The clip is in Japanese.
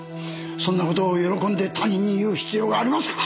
そんなことを喜んで他人に言う必要がありますか！